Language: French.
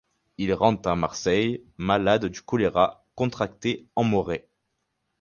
Il rentre à Marseille, malade du choléra contracté en Morée.